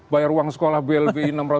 bayar uang sekolah blpi